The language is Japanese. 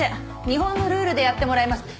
日本のルールでやってもらいます。